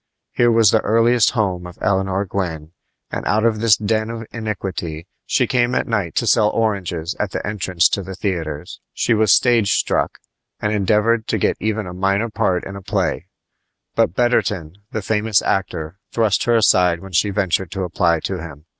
Here was the earliest home of Eleanor Gwyn, and out of this den of iniquity she came at night to sell oranges at the entrance to the theaters. She was stage struck, and endeavored to get even a minor part in a play; but Betterton, the famous actor, thrust her aside when she ventured to apply to him.